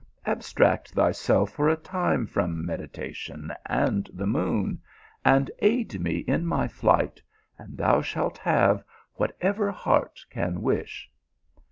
" Abstract thyself for a time from medita tion and the moon, and aid me in my flight, and thou shalt have whatever heart can wish."